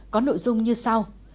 có nội dung như sau